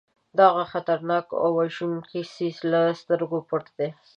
دغه خطرناک او وژونکي څیزونه له سترګو پټ دي.